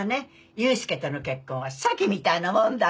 悠介との結婚は詐欺みたいなもんだって。